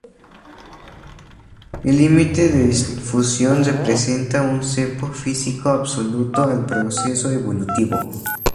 El límite de difusión representa un cepo físico absoluto al proceso evolutivo.